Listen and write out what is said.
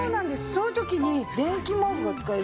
そういう時に電気毛布が使えるんですよ。